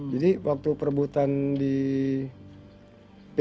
jadi waktu perebutan di pdi itu